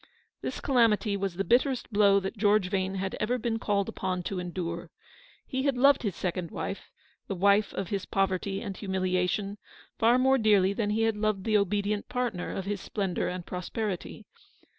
This calamity was the bitterest blow that George Vane had ever been called upon to endure. He had loved his second wife, the wife of his poverty and humiliation, far more dearly than he had loved the obedient partner of his splendour aud prosperity.